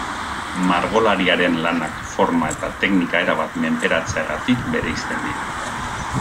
Margolariaren lanak forma eta teknika erabat menperatzeagatik bereizten dira.